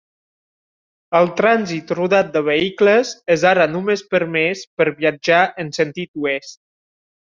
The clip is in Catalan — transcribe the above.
El trànsit rodat de vehicles és ara només permès per viatjar en sentit oest.